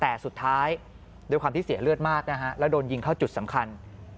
แต่สุดท้ายด้วยความที่เสียเลือดมากนะฮะแล้วโดนยิงเข้าจุดสำคัญ